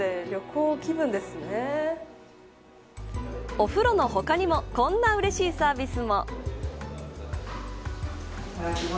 お風呂の他にもこんなうれしいサービスも。